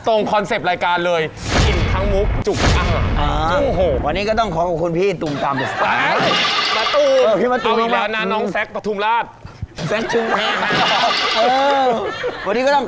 น้องแซ็กปะทุมราชเออวันนี้ก็ต้องขอขอบคุณพี่ปะทุมขอบคุณน้องแซ็กด้วยครับ